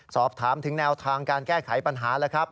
สอบถามถึงแนวทางการแก้ไขปัญหาแล้วครับ